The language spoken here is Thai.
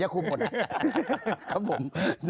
ครับผม